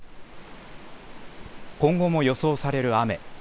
今後も予想される雨。